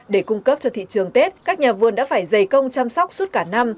để cung cấp cho thị trường tết các nhà vườn đã phải dày công chăm sóc suốt cả năm